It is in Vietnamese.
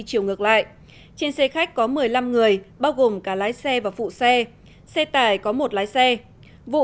chiều ngược lại trên xe khách có một mươi năm người bao gồm cả lái xe và phụ xe xe tải có một lái xe vụ